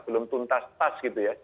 belum tuntas pas gitu ya